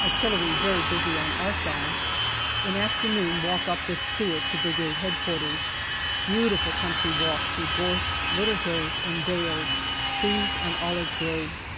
Artillery very busy on our side. In afternoon walk up with Stewart to Brigade H.Q. Beautiful country walk through gorse, little hills and dales, trees and olive groves.